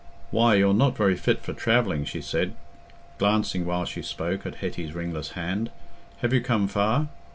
"Why, you're not very fit for travelling," she said, glancing while she spoke at Hetty's ringless hand. "Have you come far?"